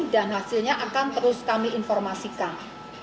dan hasilnya akan terus kami informasikan